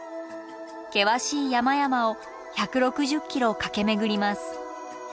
険しい山々を１６０ｋｍ駆け巡ります。